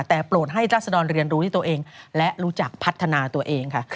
แต่โปรดให้ราศดรเรียนรู้ที่ตัวเองและรู้จักพัฒนาตัวเองค่ะ